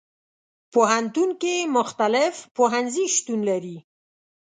پوهنتون کې مختلف پوهنځي شتون لري.